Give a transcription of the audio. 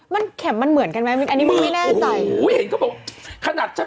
มันเข็มมันเหมือนกันไหมอันนี้มึงไม่แน่ใจ